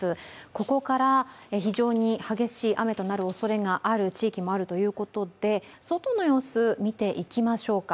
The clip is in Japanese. ここから非常に激しい雨となるおそれがある地域があるということで外の様子、見ていきましょうか。